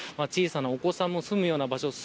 小さなお子さんも住むような場所